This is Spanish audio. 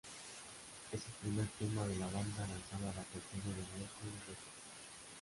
Es el primer tema de la banda lanzada bajo el sello de Mercury Records.